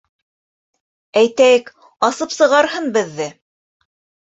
Әйтәйек, асып сығарһын беҙҙе!